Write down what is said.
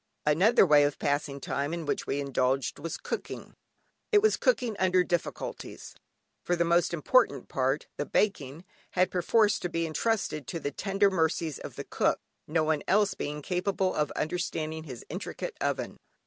Another way of passing time in which we indulged, was cooking. It was cooking under difficulties, for the most important part (the baking) had perforce to be entrusted to the tender mercies of the cook, no one else being capable of understanding his intricate oven.